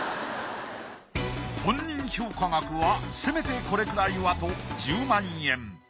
本人評価額はせめてこれくらいはと１０万円。